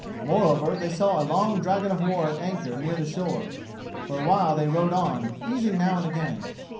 Moreover, they saw a long dragon of war at anchor near the shore. For a while they rowed on, easing now and again.